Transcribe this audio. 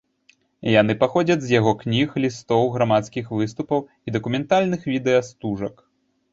Яны паходзяць з яго кніг, лістоў, грамадскіх выступаў і дакументальных відэастужак.